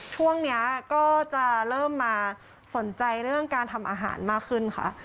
ช่วงนี้ก็จะเริ่มมาสนใจเรื่องการทำอาหารมากขึ้นค่ะ